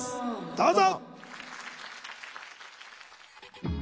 どうぞ。